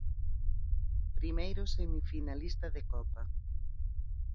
Primeiro semifinalista de Copa.